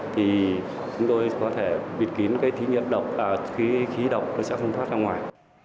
thì chúng tôi có thể bịt kín cái thí nghiệm khí độc nó sẽ không thoát ra ngoài